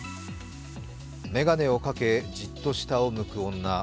眼鏡をかけじっと下を向く女。